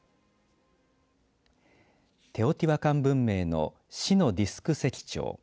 テオティワカン文明の死のディスク石彫